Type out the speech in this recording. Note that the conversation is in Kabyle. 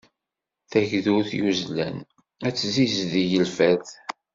Tagdurt yuzlen ad tzizdeg lfert.